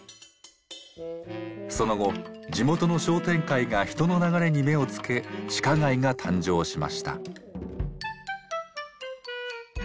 その後地元の商店会が人の流れに目をつけ地下街が誕生しました。